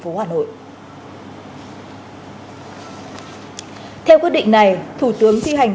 theo quyết định này thủ tướng thi hành kỷ luật đối với ông nguyễn thế hùng